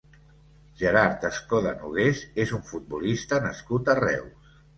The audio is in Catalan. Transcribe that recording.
Gerard Escoda Nogués és un futbolista nascut a Reus.